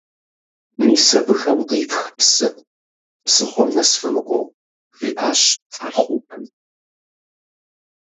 «Мис абыхэм къифх псы, псыхъуэм нэс фымыкӀуэу», - жиӀащ Хьэрхъупым.